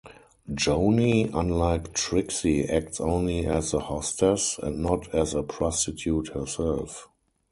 Joanie, unlike Trixie, acts only as the hostess, and not as a prostitute herself.